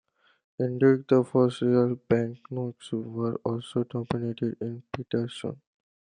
Indeed, the first riel banknotes were also denominated in piastres.